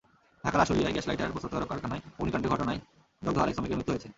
ঢাকার আশুলিয়ায় gas lighter প্রস্তুতকারক কারখানায় অগ্নিকাণ্ডের ঘটনায় দগ্ধ আরেক শ্রমিকের মৃত্যু হয়েছে।